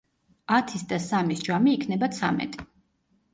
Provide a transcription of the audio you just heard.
ათის და სამის ჯამი იქნება ცამეტი.